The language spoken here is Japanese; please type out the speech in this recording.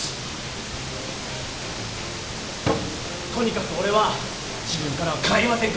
とにかく俺は自分からは帰りませんから！